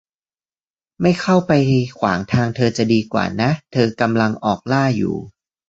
ไม่เข้าไปขวางทางเธอจะดีกว่านะ เธอกำลังออกล่าอยู่